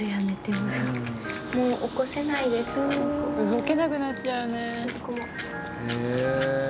「動けなくなっちゃうね」